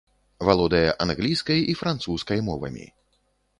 Валодае англійскай і французскай мовамі.